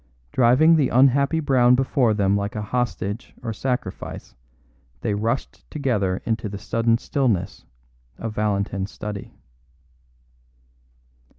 Driving the unhappy Brown before them like a hostage or sacrifice, they rushed together into the sudden stillness of Valentin's study.